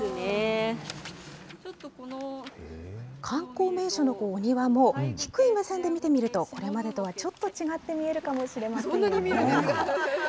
観光名所のお庭も、低い目線で見てみると、これまでとはちょっと違って見えるかもしれませんね。